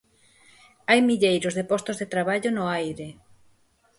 Hai milleiros de postos de traballo no aire.